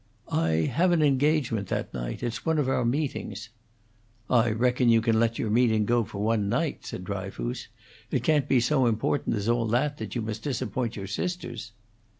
"I have an engagement that night it's one of our meetings." "I reckon you can let your meeting go for one night," said Dryfoos. "It can't be so important as all that, that you must disappoint your sisters."